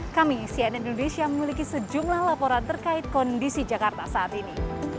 kami cnn indonesia memiliki sejumlah laporan terkait kondisi jakarta saat ini